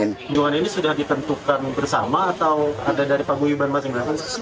kunjungan ini sudah ditentukan bersama atau ada dari paguyuban masing masing